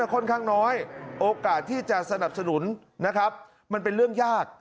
ค่อนข้างน้อยโอกาสที่จะสนับสนุนนะครับมันเป็นเรื่องยาก